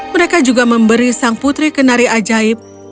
mereka juga memberi sang putri kenari ajaib